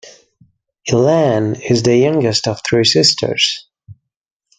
Elaine is the youngest of three sisters.